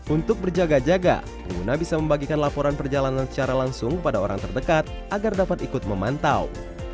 untuk berjaga jaga pengguna bisa membagikan laporan perjalanan secara langsung pada orang terdekat agar dapat ikut memantau